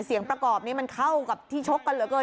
เสียงประกอบนี้มันเข้ากับที่ชกกันเหลือเกิน